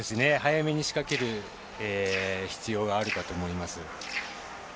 早めに仕掛ける必要があるかと思います。